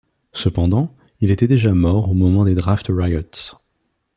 Cependant, il était déjà mort au moment des Draft Riots.